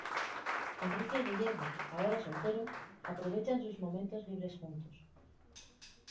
Enrique y Guillermo, ahora soltero, aprovechan sus momentos libres juntos.